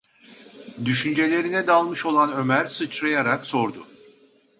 Düşüncelerine dalmış olan Ömer, sıçrayarak sordu: